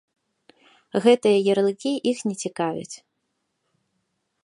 Гэтыя ярлыкі іх не цікавяць.